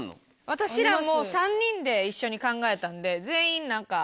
私らもう３人で一緒に考えたんで。